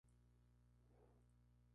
Es originario del Eurasia.